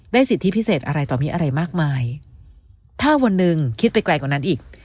สิทธิพิเศษอะไรต่อมีอะไรมากมายถ้าวันหนึ่งคิดไปไกลกว่านั้นอีก